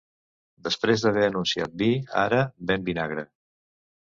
Després d'haver anunciat vi, ara ven vinagre